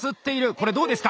これどうですか？